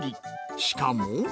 しかも。